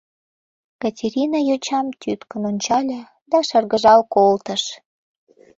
Катерина йочам тӱткын ончале да шыргыжал колтыш: